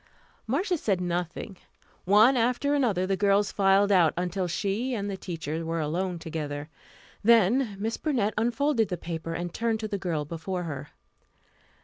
Marcia said nothing. One after another the girls filed out, until she and the teacher were alone together. Then Miss Burnett unfolded the paper and turned to the girl before her.